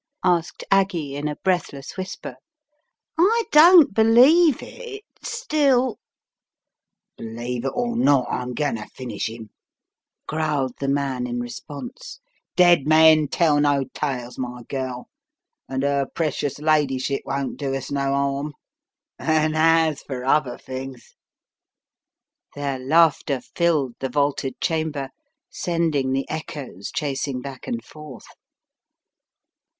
asked Aggie in a breathless whisper. "I don' I believe it — still " "Believe it or not, I'm going to finish him," growled the man in response. "Dead men tell no tales, my girl, and her precious ladyship won't do us no harm. And as for other things " Their laughter filled the vaulted chamber, sending the echoes chasing back and forth.